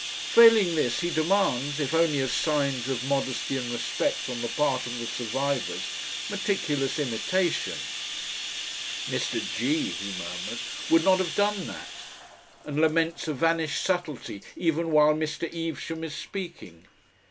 Failing this, he demands, if only as signs of modesty and respect on the part of the survivors, meticulous imitation. "Mr. G.," he murmurs, "would not have done that," and laments a vanished subtlety even while Mr. Evesham is speaking.